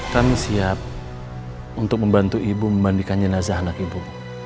kami siap untuk membantu ibu memandikan jenazah anak ibu